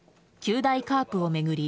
九大カープを巡り